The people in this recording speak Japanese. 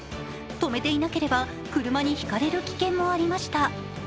止めていなければ車にひかれる危険もありました。